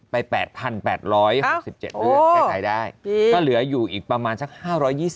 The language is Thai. ไป๘๘๖๗เรื่องแก้ไขได้ก็เหลืออยู่อีกประมาณสัก๕๒๐